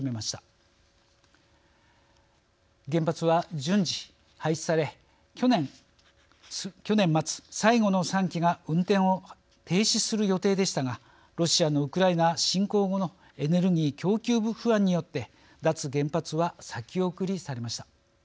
原発は順次廃止され去年末最後の３基が運転を停止する予定でしたがロシアのウクライナ侵攻後のエネルギー供給不安によって脱原発は先送りされました。